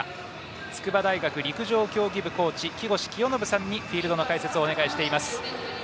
筑波大学陸上競技部コーチ木越清信さんにフィールドの解説をお願いしています。